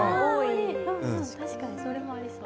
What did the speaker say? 確かにそれもありそう。